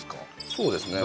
そうですね。